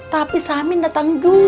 tapi samin datang juga